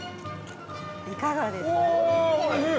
いかがです？